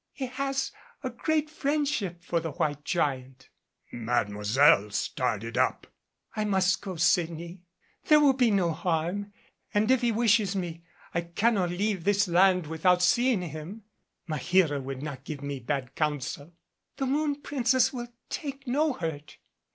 He has a great friendship for the White Giant." Mademoiselle started up. "I must go, Sydney. There will be no harm, and if he wishes me I cannot leave this land without seeing him. Maheera would not give me bad counsel." "The Moon Princess will take no hurt."